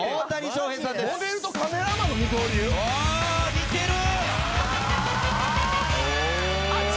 似てる。